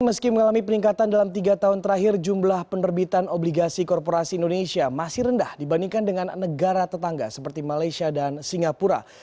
meski mengalami peningkatan dalam tiga tahun terakhir jumlah penerbitan obligasi korporasi indonesia masih rendah dibandingkan dengan negara tetangga seperti malaysia dan singapura